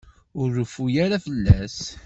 Ur reffu ara fell-as.